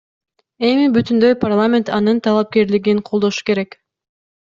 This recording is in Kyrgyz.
Эми бүтүндөй парламент анын талапкерлигин колдошу керек.